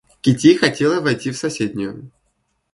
Кити хотела войти в соседнюю.